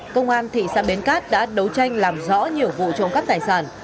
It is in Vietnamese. công an thị xã bến cát đã đấu tranh làm rõ nhiều vụ trộm cắp tài sản